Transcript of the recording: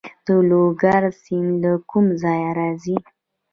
د لوګر سیند له کوم ځای راځي؟